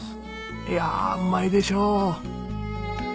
いやあうまいでしょう！